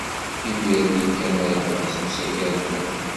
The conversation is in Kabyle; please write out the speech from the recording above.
Imir-nni kan ay yeḥbes usakal-nni.